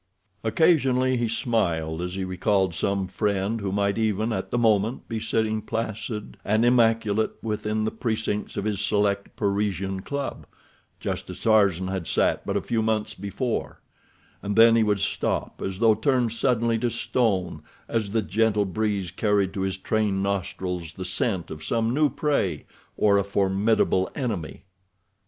Occasionally he smiled as he recalled some friend who might even at the moment be sitting placid and immaculate within the precincts of his select Parisian club—just as Tarzan had sat but a few months before; and then he would stop, as though turned suddenly to stone as the gentle breeze carried to his trained nostrils the scent of some new prey or a formidable enemy.